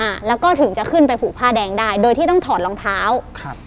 อ่าแล้วก็ถึงจะขึ้นไปผูกผ้าแดงได้โดยที่ต้องถอดรองเท้าครับ